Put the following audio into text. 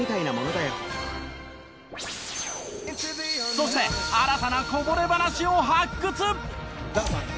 そして新たなこぼれ話を発掘！